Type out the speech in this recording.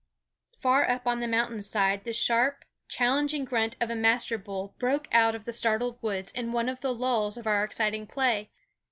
Far up on the mountain side the sharp, challenging grunt of a master bull broke out of the startled woods in one of the lulls of our exciting play.